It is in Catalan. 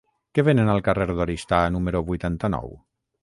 Què venen al carrer d'Oristà número vuitanta-nou?